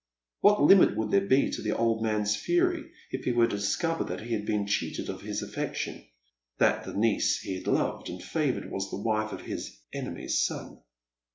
What limit would there be to the old man's fury if he were to discover that he had been cheated of his affection — that the niece he had loved and favoured was the w'.fe of his enemy's son